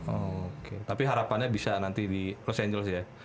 oke tapi harapannya bisa nanti di los angeles ya